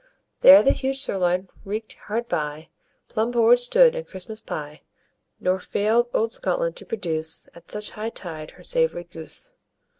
There the huge sirloin reek'd; hard by Plum porridge stood, and Christmas pie; Nor fail'd old Scotland to produce, At such high tide, her savoury goose."